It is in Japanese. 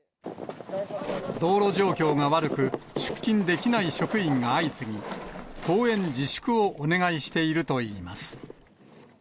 道路状況が悪く、出勤できない職員が相次ぎ、登園自粛をお願いしているといいます。